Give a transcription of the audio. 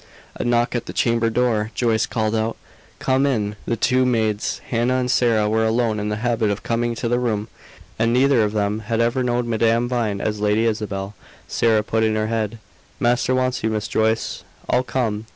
A knock at the chamber door. Joyce called out, "Come in." The two maids, Hannah and Sarah, were alone in the habit of coming to the room, and neither of them had ever known Madame Vine as Lady Isabel. Sarah put in her head. "Master wants you, Miss Joyce." "I'll come."